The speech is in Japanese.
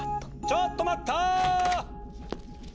・ちょっと待った！